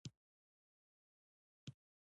څه انځوروئ؟ منظرې، ګلان او خلک